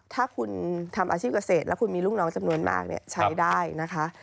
ถ้าคุณทำอาชีพเกษตรแล้วคุณมีลูกน้องจำนวนมากใช้ได้นะคะ